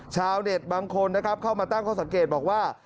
ชาวเน็ตบางคนเข้ามาตั้งเขาสังเกตบอกว่า